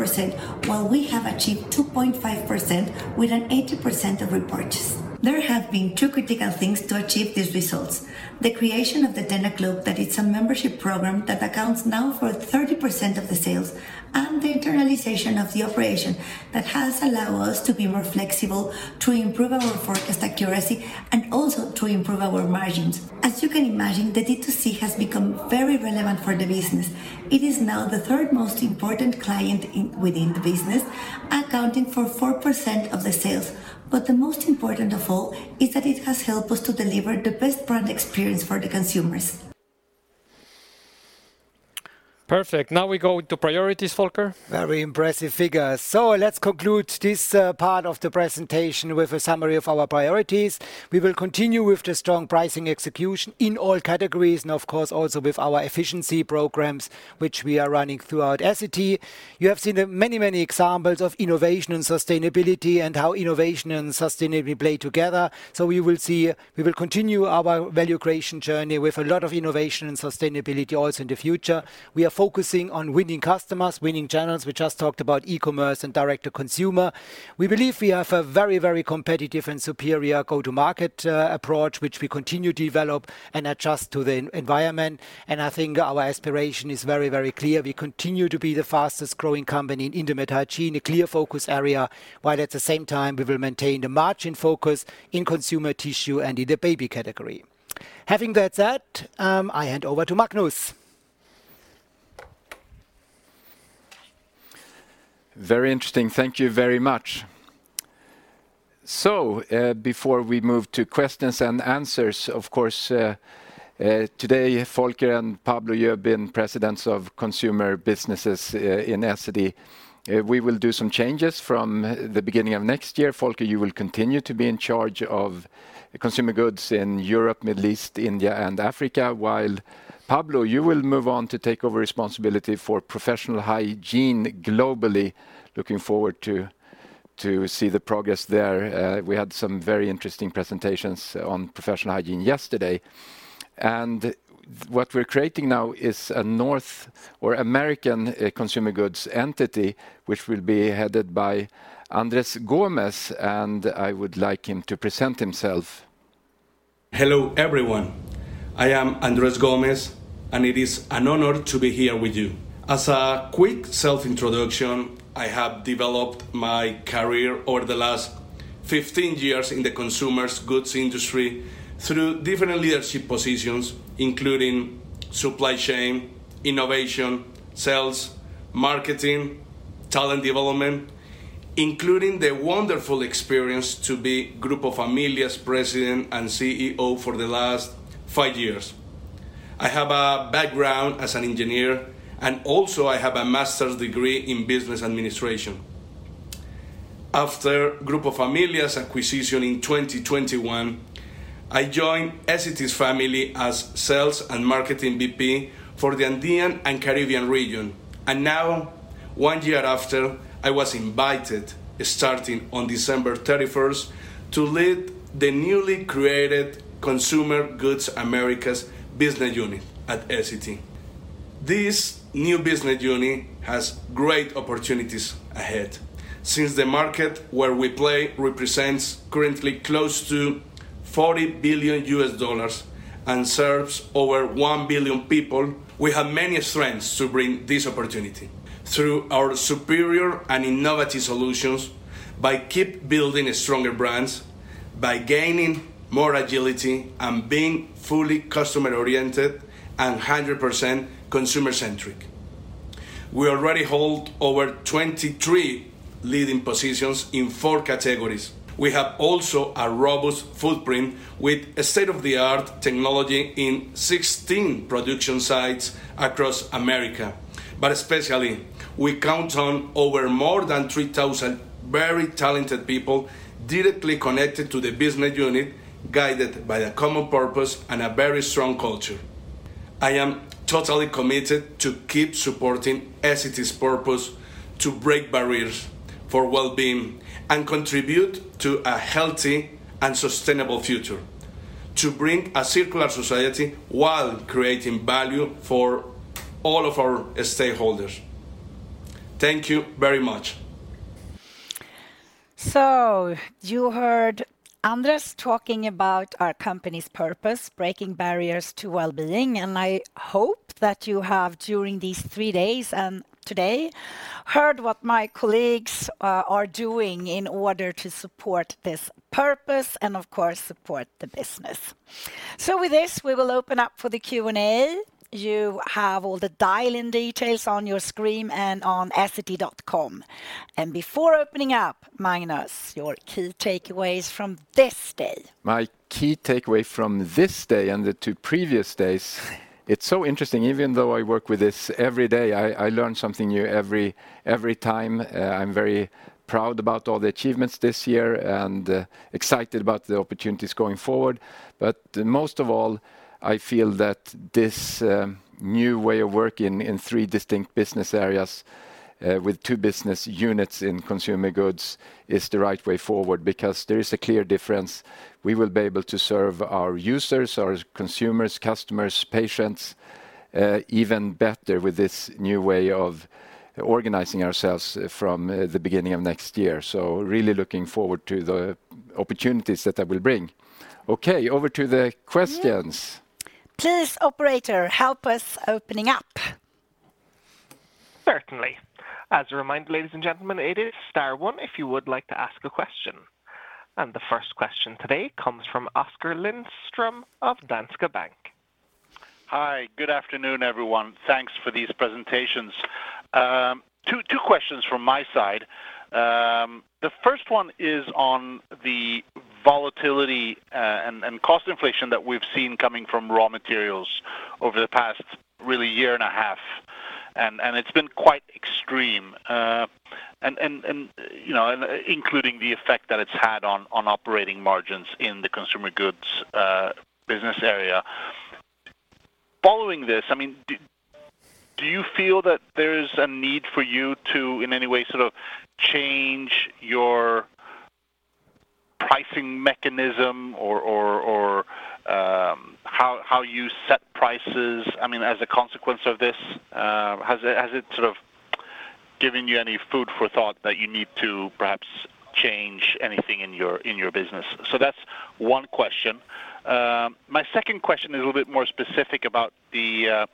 while we have achieved 2.5% with an 80% of repurchase. There have been two critical things to achieve these results. The creation of the TENA Club, that is a membership program that accounts now for 30% of the sales, and the internalization of the operation that has allowed us to be more flexible, to improve our forecast accuracy, and also to improve our margins. As you can imagine, the D2C has become very relevant for the business. It is now the third most important client in... within the business, accounting for 4% of the sales. The most important of all is that it has helped us to deliver the best brand experience for the consumers. Perfect. Now we go to priorities, Volker. Very impressive figures. Let's conclude this part of the presentation with a summary of our priorities. We will continue with the strong pricing execution in all categories and of course also with our efficiency programs which we are running throughout Essity. You have seen the many examples of innovation and sustainability and how innovation and sustainability play together. We will continue our value creation journey with a lot of innovation and sustainability also in the future. We are focusing on winning customers, winning channels. We just talked about e-commerce and direct to consumer. We believe we have a very competitive and superior go-to-market approach, which we continue to develop and adjust to the environment. I think our aspiration is very clear. We continue to be the fastest-growing company in intimate hygiene, a clear focus area. While at the same time, we will maintain the margin focus in Consumer Tissue and in the baby category. Having that said, I hand over to Magnus. Very interesting. Thank you very much. Before we move to questions and answers, of course, today Volker and Pablo, you have been presidents of consumer businesses in Essity. We will do some changes from the beginning of next year. Volker, you will continue to be in charge of Consumer Goods in Europe, Middle East, India and Africa. While Pablo, you will move on to take over responsibility for Professional Hygiene globally. Looking forward to see the progress there. We had some very interesting presentations on Professional Hygiene yesterday. What we're creating now is a North American consumer goods entity, which will be headed by Andres Gomez, and I would like him to present himself. Hello, everyone. I am Andres Gomez, and it is an honor to be here with you. As a quick self-introduction, I have developed my career over the last 15 years in the consumer goods industry through different leadership positions, including supply chain, innovation, sales, marketing, talent development, including the wonderful experience to be Grupo Familia's President and CEO for the last five years. I have a background as an engineer, and also I have a master's degree in business administration. After Grupo Familia's acquisition in 2021, I joined Essity's family as sales and marketing VP for the Andean and Caribbean region. Now, one year after, I was invited, starting on December 31st, to lead the newly created Consumer Goods Americas business unit at Essity. This new business unit has great opportunities ahead since the market where we play represents currently close to $40 billion and serves over 1 billion people. We have many strengths to bring this opportunity through our superior and innovative solutions by keep building stronger brands, by gaining more agility, and being fully customer-oriented and 100% consumer-centric. We already hold over 23 leading positions in four categories. We have also a robust footprint with state-of-the-art technology in 16 production sites across America. Especially, we count on over more than 3,000 very talented people directly connected to the business unit, guided by a common purpose and a very strong culture. I am totally committed to keep supporting Essity's purpose to break barriers for wellbeing and contribute to a healthy and sustainable future, to bring a circular society while creating value for all of our stakeholders. Thank you very much. You heard Andres talking about our company's purpose, breaking barriers to wellbeing, and I hope that you have, during these three days and today, heard what my colleagues are doing in order to support this purpose and, of course, support the business. With this, we will open up for the Q&A. You have all the dial-in details on your screen and on essity.com. Before opening up, Magnus, your key takeaways from this day? My key takeaway from this day and the 2 previous days, it's so interesting. Even though I work with this every day, I learn something new every time. I'm very proud about all the achievements this year and excited about the opportunities going forward. Most of all, I feel that this new way of working in 3 distinct business areas with 2 business units in consumer goods is the right way forward because there is a clear difference. We will be able to serve our users, our consumers, customers, patients even better with this new way of organizing ourselves from the beginning of next year. Really looking forward to the opportunities that will bring. Okay, over to the questions. Please, operator, help us opening up. Certainly. As a reminder, ladies and gentlemen, it is star one if you would like to ask a question. The first question today comes from Oskar Lindström of Danske Bank. Hi, good afternoon, everyone. Thanks for these presentations. Two questions from my side. The first one is on the volatility and cost inflation that we've seen coming from raw materials over the past really year and a half, and it's been quite extreme. Including the effect that it's had on operating margins in the Consumer Goods business area. Following this, I mean, do you feel that there's a need for you to, in any way, sort of change your pricing mechanism or how you set prices, I mean, as a consequence of this? Has it sort of given you any food for thought that you need to perhaps change anything in your business? That's one question. My second question is a little bit more specific about the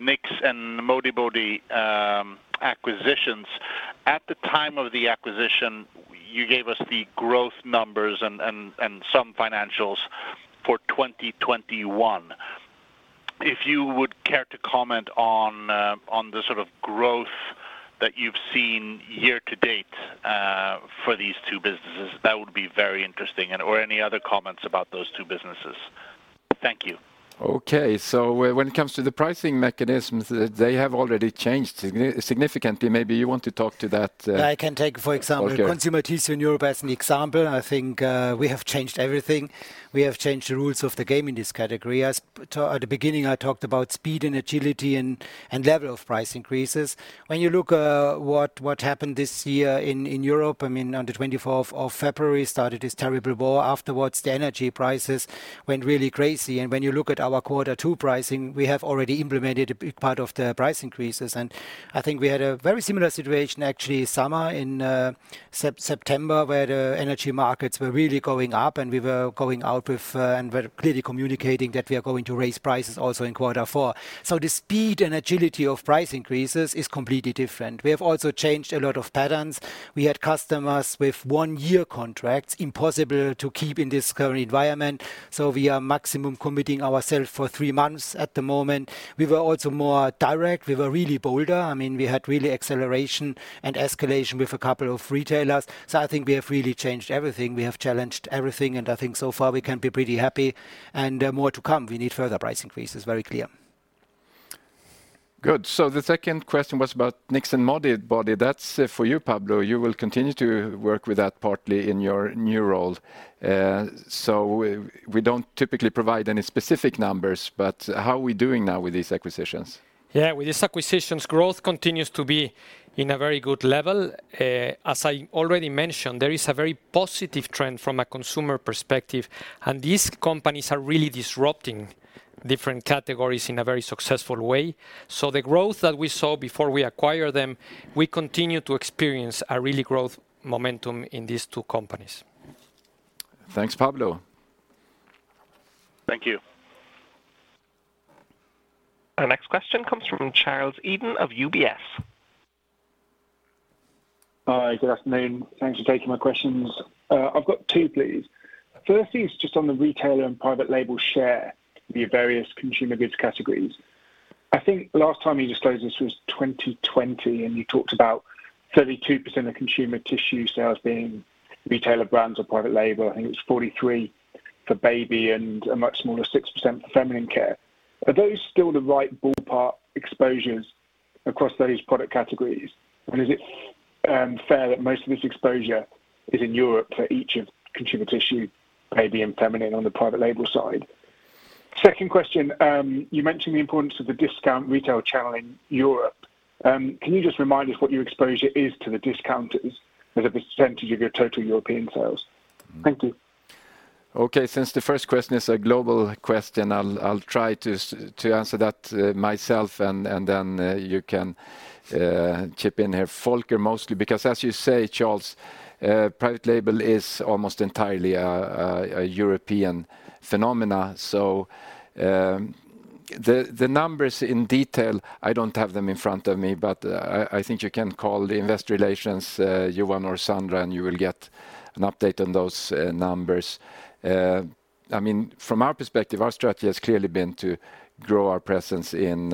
Knix and Modibodi acquisitions. At the time of the acquisition, you gave us the growth numbers and some financials for 2021. If you would care to comment on the sort of growth that you've seen year to date for these two businesses, that would be very interesting or any other comments about those two businesses. Thank you. When it comes to the pricing mechanisms, they have already changed significantly. Maybe you want to talk to that. Yeah, I can take, for example. ...Consumer Tissue in Europe as an example. I think we have changed everything. We have changed the rules of the game in this category. At the beginning, I talked about speed and agility and level of price increases. When you look what happened this year in Europe, I mean, on the 24th of February started this terrible war. Afterwards, the energy prices went really crazy. When you look at our quarter 2 pricing, we have already implemented a big part of the price increases. I think we had a very similar situation actually summer in September, where the energy markets were really going up, and we were going out with, and we're clearly communicating that we are going to raise prices also in quarter 4. The speed and agility of price increases is completely different. We have also changed a lot of patterns. We had customers with one-year contracts, impossible to keep in this current environment, so we are maximum committing ourselves for three months at the moment. We were also more direct. We were really bolder. I mean, we had really acceleration and escalation with a couple of retailers. I think we have really changed everything. We have challenged everything, and I think so far we can be pretty happy. More to come. We need further price increases, very clear. Good. The second question was about Knix and Modibodi. That's for you, Pablo. You will continue to work with that partly in your new role. We don't typically provide any specific numbers, but how are we doing now with these acquisitions? Yeah. With these acquisitions, growth continues to be in a very good level. As I already mentioned, there is a very positive trend from a consumer perspective, and these companies are really disrupting different categories in a very successful way. The growth that we saw before we acquire them, we continue to experience a really growth momentum in these two companies. Thanks, Pablo. Thank you. Our next question comes from Charles Eden of UBS. Hi. Good afternoon. Thanks for taking my questions. I've got two, please. Firstly, it's just on the retailer and private label share via various consumer goods categories. I think last time you disclosed this was 2020, and you talked about 32% of consumer tissue sales being retailer brands or private label, and it's 43% for baby and a much smaller 6% for feminine care. Are those still the right ballpark exposures across those product categories? And is it fair that most of this exposure is in Europe for each of consumer tissue, baby, and feminine on the private label side? Second question, you mentioned the importance of the discount retail channel in Europe. Can you just remind us what your exposure is to the discounters as a percentage of your total European sales? Thank you. Okay. Since the first question is a global question, I'll try to answer that myself and then you can chip in here, Volker mostly. As you say, Charles, private label is almost entirely a European phenomena. The numbers in detail, I don't have them in front of me, but I think you can call the investor relations, Johan or Sandra, and you will get an update on those numbers. I mean, from our perspective, our strategy has clearly been to grow our presence in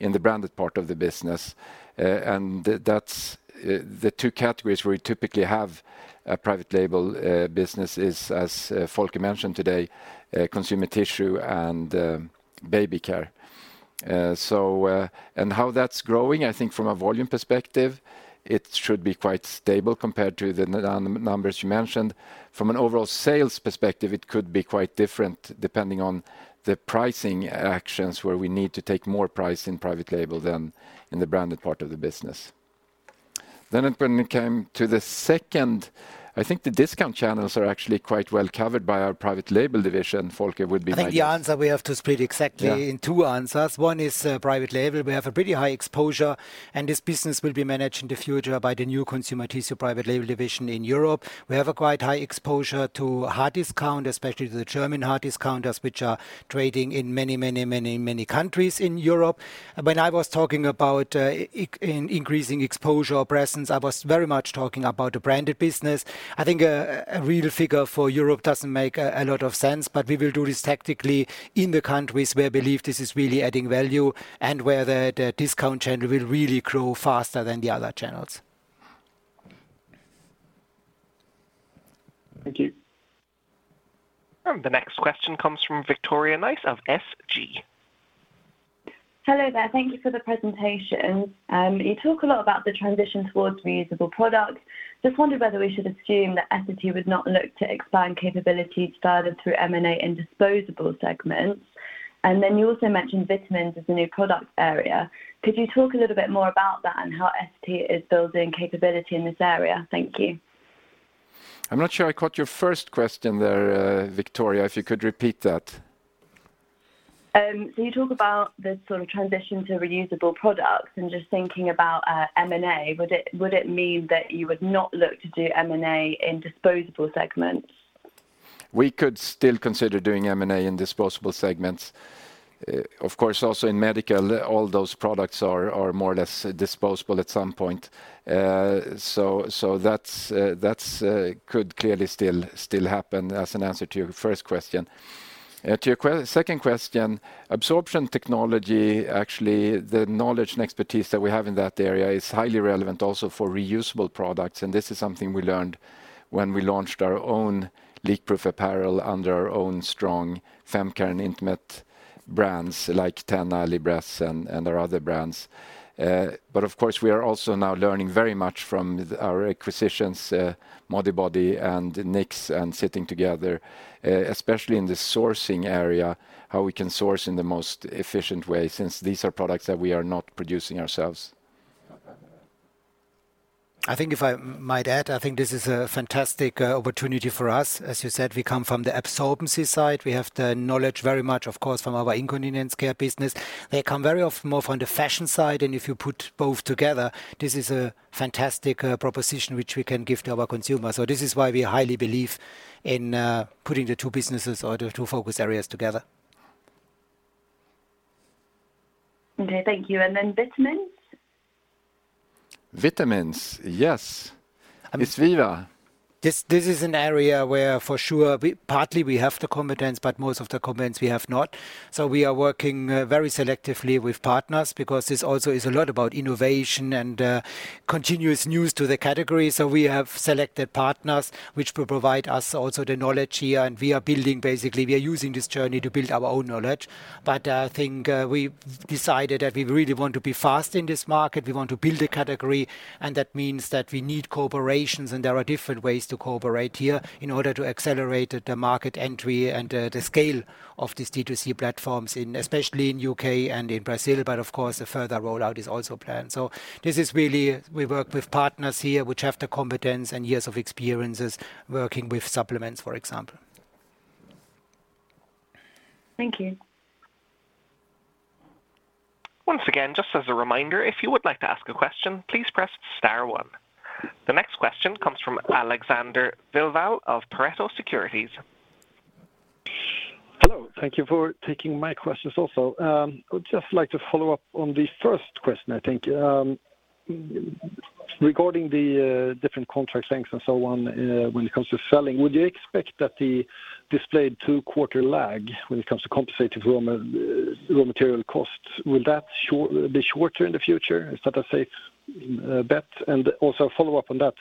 the branded part of the business. That's the two categories we typically have a private label business is, as Volker mentioned today, Consumer Tissue and baby care. How that's growing, I think from a volume perspective, it should be quite stable compared to the numbers you mentioned. From an overall sales perspective, it could be quite different depending on the pricing actions where we need to take more price in private label than in the branded part of the business. When it came to the second, I think the discount channels are actually quite well covered by our private label division. Volker would be my guess. I think the answer we have to split. Yeah in two answers. One is private label. We have a pretty high exposure, and this business will be managed in the future by the new Consumer Tissue private label division in Europe. We have a quite high exposure to hard discount, especially to the German hard discounters, which are trading in many countries in Europe. When I was talking about increasing exposure presence, I was very much talking about the branded business. I think a real figure for Europe doesn't make a lot of sense, but we will do this tactically in the countries where believe this is really adding value and where the discount chain will really grow faster than the other channels. Thank you. The next question comes from Victoria Nice of SG. Hello there. Thank you for the presentation. You talk a lot about the transition towards reusable products. Just wondered whether we should assume that Essity would not look to expand capabilities further through M&A in disposable segments. You also mentioned vitamins as a new product area. Could you talk a little bit more about that and how Essity is building capability in this area? Thank you. I'm not sure I caught your first question there, Victoria, if you could repeat that. You talk about the sort of transition to reusable products and just thinking about M&A, would it mean that you would not look to do M&A in disposable segments? We could still consider doing M&A in disposable segments. Of course, also in medical, all those products are more or less disposable at some point. That's could clearly still happen as an answer to your first question. To your second question, absorption technology, actually, the knowledge and expertise that we have in that area is highly relevant also for reusable products, and this is something we learned when we launched our own leak-proof apparel under our own strong fem care and intimate brands like TENA, Libresse and our other brands. Of course, we are also now learning very much from our acquisitions, Modibodi and Knix and sitting together, especially in the sourcing area, how we can source in the most efficient way since these are products that we are not producing ourselves. I think if I might add, I think this is a fantastic opportunity for us. As you said, we come from the absorbency side. We have the knowledge very much, of course, from our incontinence care business. They come very more from the fashion side. If you put both together, this is a fantastic proposition which we can give to our consumers. This is why we highly believe in putting the two businesses or the two focus areas together. Okay. Thank you. Then vitamins? Vitamins. Yes. Issviva. This is an area where for sure partly we have the competence, but most of the competence we have not. We are working very selectively with partners because this also is a lot about innovation and continuous news to the category. We have selected partners which will provide us also the knowledge here, and we are building basically, we are using this journey to build our own knowledge. I think we decided that we really want to be fast in this market. We want to build a category, and that means that we need cooperations, and there are different ways to cooperate here in order to accelerate the market entry and the scale of these D2C platforms in especially in U.K. and in Brazil. Of course a further rollout is also planned. This is really we work with partners here which have the competence and years of experiences working with supplements, for example. Thank you. Once again, just as a reminder, if you would like to ask a question, please press star 1. The next question comes from Alexander Vilval of Pareto Securities. Hello. Thank you for taking my questions also. I would just like to follow up on the first question, I think. Regarding the, different contract lengths and so on, when it comes to selling, would you expect that the displayed 2 quarter lag when it comes to compensating raw material costs, will that be shorter in the future? Is that a safe, bet? Also a follow-up on that,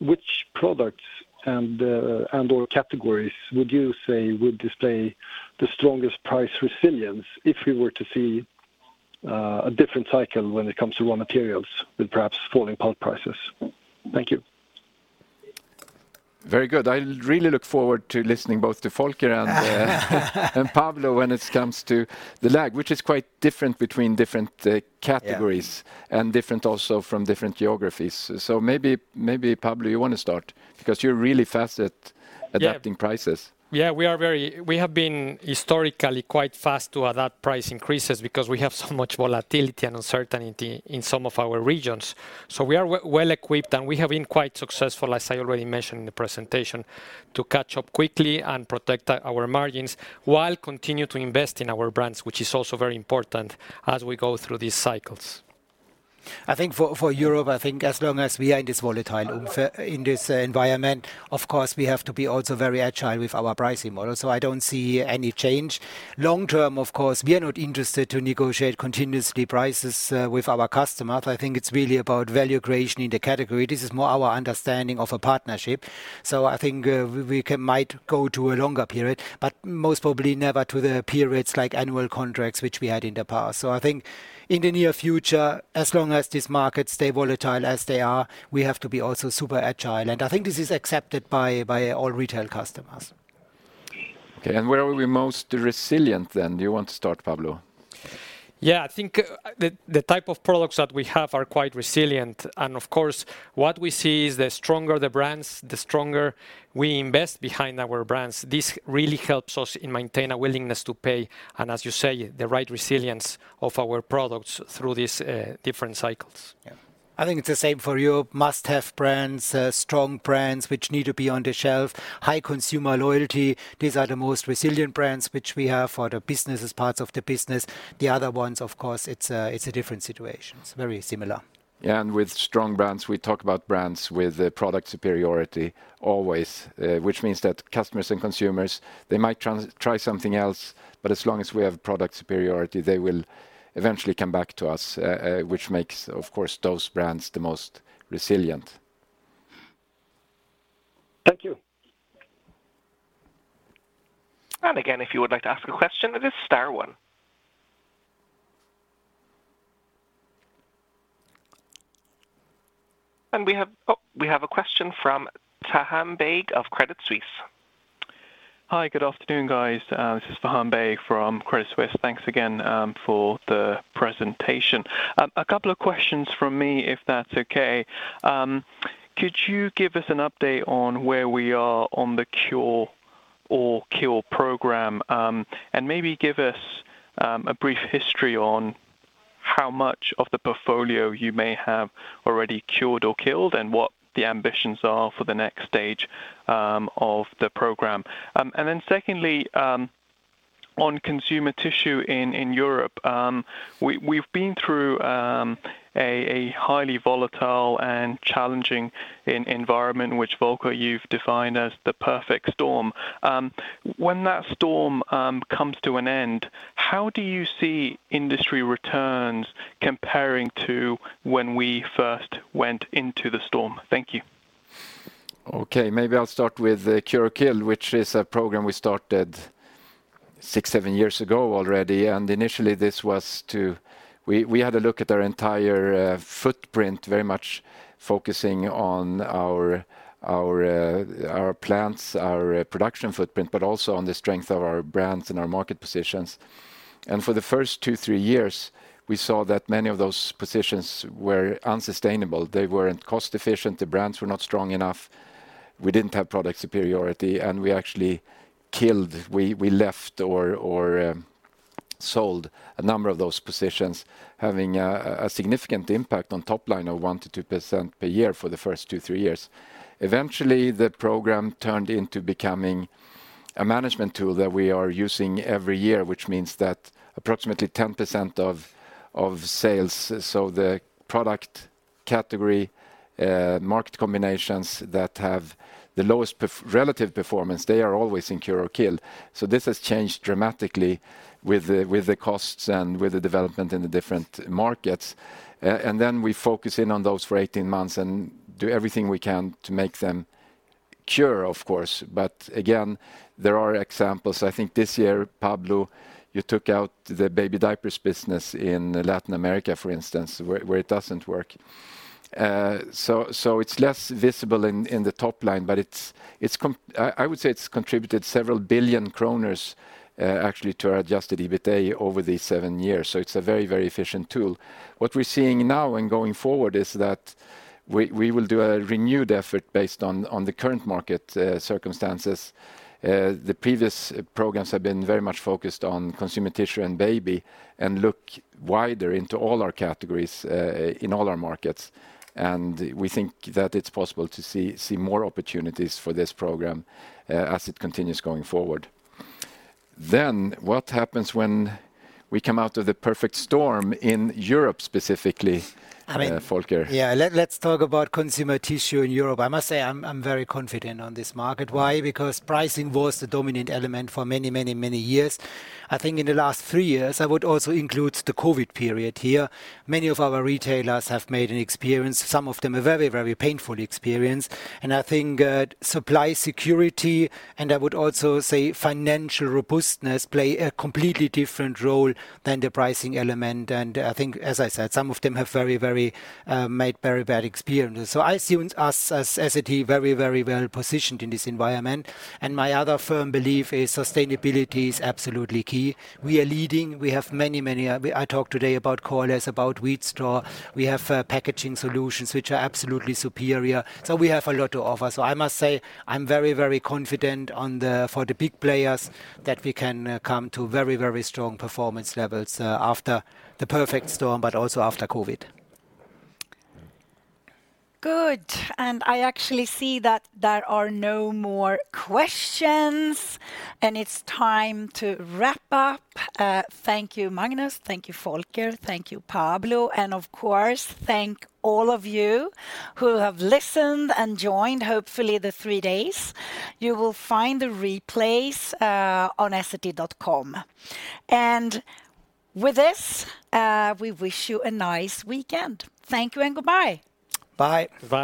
which products and/or categories would you say would display the strongest price resilience if we were to see, a different cycle when it comes to raw materials with perhaps falling pulp prices? Thank you. Very good. I really look forward to listening both to Volker and Pablo when it comes to the lag, which is quite different between different categories. Yeah. Different also from different geographies. Maybe, Pablo, you want to start because you're really fast at adapting prices. Yeah. We have been historically quite fast to adapt price increases because we have so much volatility and uncertainty in some of our regions. We are well equipped, and we have been quite successful, as I already mentioned in the presentation, to catch up quickly and protect our margins while continue to invest in our brands, which is also very important as we go through these cycles. I think for Europe, I think as long as we are in this volatile in this environment, of course we have to be also very agile with our pricing model. I don't see any change. Long term, of course, we are not interested to negotiate continuously prices with our customers. I think it's really about value creation in the category. This is more our understanding of a partnership. I think we can might go to a longer period, but most probably never to the periods like annual contracts which we had in the past. I think in the near future, as long as these markets stay volatile as they are, we have to be also super agile. I think this is accepted by all retail customers. Okay. Where are we most resilient then? Do you want to start, Pablo? Yeah. I think, the type of products that we have are quite resilient. Of course, what we see is the stronger the brands, the stronger we invest behind our brands. This really helps us in maintain a willingness to pay and as you say, the right resilience of our products through these, different cycles. I think it's the same for you. Must-have brands, strong brands which need to be on the shelf, high consumer loyalty. These are the most resilient brands which we have for the businesses, parts of the business. The other ones, of course, it's a different situation. It's very similar. Yeah. With strong brands, we talk about brands with the product superiority always, which means that customers and consumers, they might try something else, but as long as we have product superiority, they will eventually come back to us, which makes, of course, those brands the most resilient. Thank you. Again, if you would like to ask a question, it is star one. We have a question from Faham Baig of Credit Suisse. Hi. Good afternoon, guys. This is Faham Baig from Credit Suisse. Thanks again for the presentation. A couple of questions from me if that's okay. Could you give us an update on where we are on the Cure or Kill program? Maybe give us a brief history on how much of the portfolio you may have already cured or killed and what the ambitions are for the next stage of the program. Secondly, on consumer tissue in Europe, we've been through a highly volatile and challenging environment which, Volker, you've defined as the perfect storm. When that storm comes to an end, how do you see industry returns comparing to when we first went into the storm? Thank you. Okay. Maybe I'll start with the Cure or Kill, which is a program we started six, seven years ago already. Initially, we had a look at our entire footprint, very much focusing on our plants, our production footprint, but also on the strength of our brands and our market positions. For the first two, three years, we saw that many of those positions were unsustainable. They weren't cost efficient, the brands were not strong enough. We didn't have product superiority. We actually killed. We left or sold a number of those positions, having a significant impact on top line of 1%-2% per year for the first two, three years. Eventually, the program turned into becoming a management tool that we are using every year, which means that. Approximately 10% of sales. The product category, market combinations that have the lowest relative performance, they are always in Cure or Kill. This has changed dramatically with the costs and with the development in the different markets. We focus in on those for 18 months and do everything we can to make them cure, of course. Again, there are examples. I think this year, Pablo, you took out the baby diapers business in Latin America, for instance, where it doesn't work. So it's less visible in the top line, but it's contributed several billion SEK, actually to our adjusted EBITA over the seven years, so it's a very, very efficient tool. What we're seeing now and going forward is that we will do a renewed effort based on the current market circumstances. The previous programs have been very much focused on consumer tissue and baby and look wider into all our categories in all our markets. We think that it's possible to see more opportunities for this program as it continues going forward. What happens when we come out of the perfect storm in Europe specifically. I mean- Volker? Yeah. Let's talk about Consumer Tissue in Europe. I must say I'm very confident on this market. Why? Pricing was the dominant element for many, many years. I think in the last three years, I would also include the COVID period here, many of our retailers have made an experience, some of them a very, very painful experience. I think supply security, and I would also say financial robustness play a completely different role than the pricing element. I think, as I said, some of them have very made very bad experiences. I see us at Essity very well positioned in this environment. My other firm belief is sustainability is absolutely key. We are leading. We have many. I talked today about Cushelle, about Wheat Straw. We have packaging solutions which are absolutely superior, so we have a lot to offer. I must say, I'm very, very confident for the big players that we can come to very, very strong performance levels after the perfect storm, but also after COVID. Good. I actually see that there are no more questions, and it's time to wrap up. Thank you, Magnus. Thank you, Volker. Thank you, Pablo. Of course, thank all of you who have listened and joined, hopefully the three days. You will find the replays on essity.com. With this, we wish you a nice weekend. Thank you and goodbye. Bye. Bye.